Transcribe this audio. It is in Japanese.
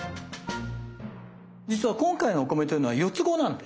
実は今回のお米というのは４つ子なんですね。